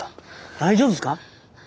大丈夫ですか？